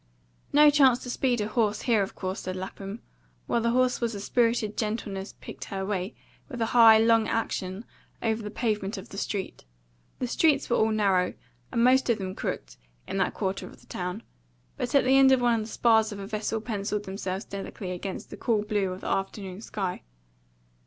"No chance to speed a horse here, of course," said Lapham, while the horse with a spirited gentleness picked her way, with a high, long action, over the pavement of the street. The streets were all narrow, and most of them crooked, in that quarter of the town; but at the end of one the spars of a vessel pencilled themselves delicately against the cool blue of the afternoon sky.